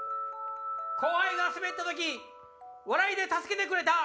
後輩がスベった時笑いで助けてくれた。